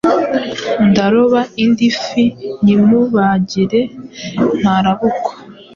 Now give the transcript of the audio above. Ndaroba indi fi nyimubagire ntarabukwa.”